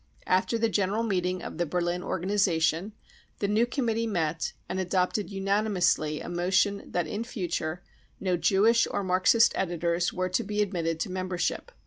After the general meeting of the Berlin organisation,, the new committee met, and adopted unanimously a motion that in future no Jewish or Marxist editors were to be admitted to membership.